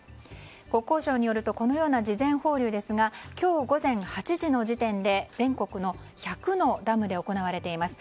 国交省によるとこのような事前放流ですが今日午前８時の時点で全国の１００のダムで行われています。